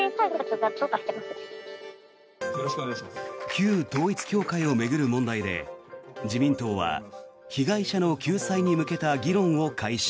旧統一教会を巡る問題で自民党は被害者の救済に向けた議論を開始。